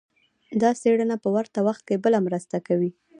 دا څېړنه په ورته وخت کې بله مرسته کوي.